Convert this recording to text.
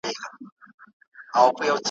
بندوي چي قام په دام کي د ښکاریانو `